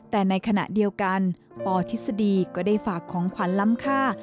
แต่ในขณะเดียวกันปทฤษฎีก็ได้ฝากของขวัญล้ำค่า